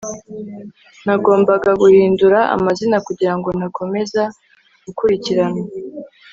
nagombaga guhindura amazina kugira ngo ntakomeza gukurikiranwa